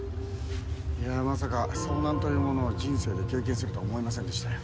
いやまさか遭難というものを人生で経験するとは思いませんでしたよ。